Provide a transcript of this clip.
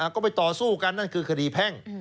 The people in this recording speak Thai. ก็ไปต่อสู้กันนั่นคือคดีแพ่ง